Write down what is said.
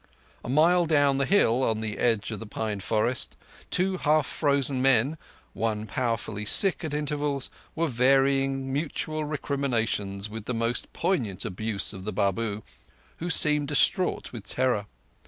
A mile down the hill, on the edge of the pine forest, two half frozen men—one powerfully sick at intervals—were varying mutual recriminations with the most poignant abuse of the Babu, who seemed distraught with terror.